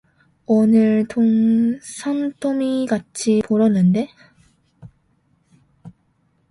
오늘 돈 산더미같이 벌었는데.